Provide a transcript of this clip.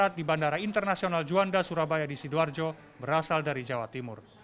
pesawat di bandara internasional juanda surabaya di sidoarjo berasal dari jawa timur